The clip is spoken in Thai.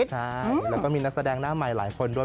ใช่แล้วก็มีนักแสดงหน้าใหม่หลายคนด้วย